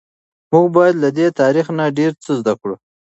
موږ باید له دې تاریخ نه ډیر څه زده کړو.